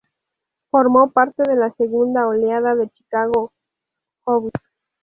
Formó parte de la segunda oleada de Chicago house.